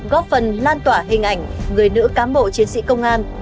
góp phần lan tỏa hình ảnh người nữ cán bộ chiến sĩ công an